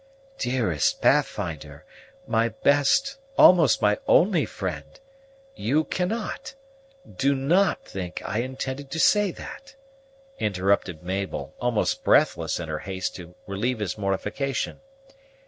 "Dearest Pathfinder! my best, almost my only friend! You cannot, do not think I intended to say that!" interrupted Mabel, almost breathless in her haste to relieve his mortification.